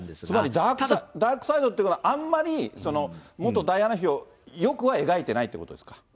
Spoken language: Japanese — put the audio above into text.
つまりダークサイドっていうことは、あんまり元ダイアナ妃をよくは描いていないということですか？